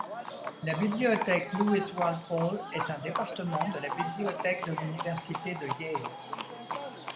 La bibliothèque Lewis-Walpole est un département de la bibliothèque de l'Université de Yale.